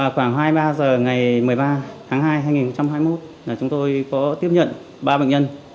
khoảng hai mươi ba h ngày một mươi ba tháng hai hai nghìn hai mươi một chúng tôi có tiếp nhận ba bệnh nhân